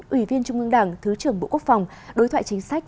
ủy viên trung ương đảng thứ trưởng bộ quốc phòng đối thoại chính sách